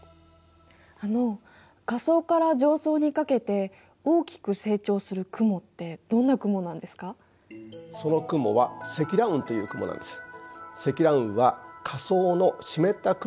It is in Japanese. あの下層から上層にかけて大きく成長する雲ってどんな雲なんですか？